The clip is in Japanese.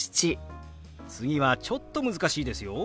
次はちょっと難しいですよ。